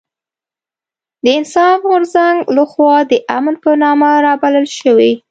د انصاف غورځنګ لخوا د امن په نامه رابلل شوې